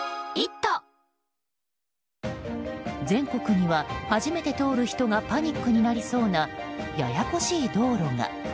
全国には、初めて通る人がパニックになりそうなややこしい道路が。